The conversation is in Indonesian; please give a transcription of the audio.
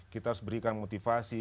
kita harus berikan motivasi